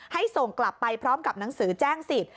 ส่งกลับไปพร้อมกับหนังสือแจ้งสิทธิ